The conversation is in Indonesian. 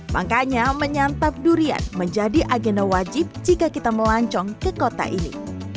makanya menyantap durian menjadi agenda wajib jika kita melancong ke kota ini